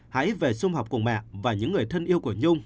hãy về xung họp cùng mẹ và những người thân yêu của nhung